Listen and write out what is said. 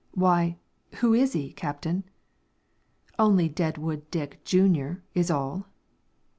"Why, who is he, captain?" "Only Deadwood Dick, Junior, is all."